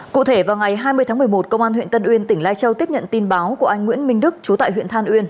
cụ thể vào ngày hai mươi tháng một mươi một công an huyện tân uyên tỉnh lai châu tiếp nhận tin báo của anh nguyễn minh đức chú tại huyện than uyên